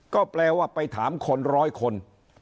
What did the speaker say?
ก็แปลว่าไปถามคนร้อยคน